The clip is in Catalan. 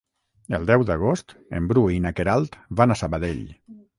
El deu d'agost en Bru i na Queralt van a Sabadell.